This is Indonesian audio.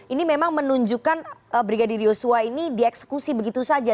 ini memang menunjukkan brigadir yosua ini dieksekusi begitu saja